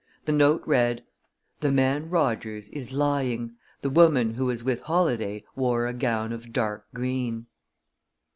The note read: The man Rogers is lying. The woman who was with Holladay wore a gown of dark green.